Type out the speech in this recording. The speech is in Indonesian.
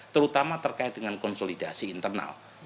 terutama terkait dengan konsolidasi internal